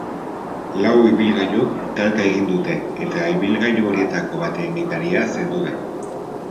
Lau ibilgailuk talka egin dute eta ibilgailu horietako baten gidaria zendu da.